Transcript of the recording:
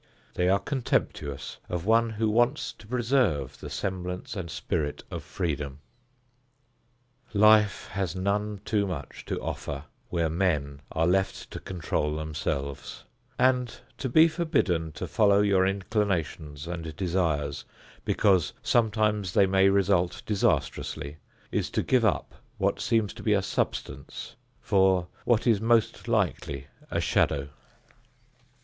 They are contemptuous of one who wants to preserve the semblance and spirit of freedom. Life has none too much to offer where men are left to control themselves, and to be forbidden to follow your inclinations and desires because sometimes they may result disastrously, is to give up what seems to be a substance for what is most likely a shadow.